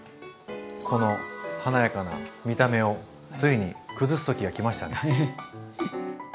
この華やかな見た目をついに崩す時が来ましたね。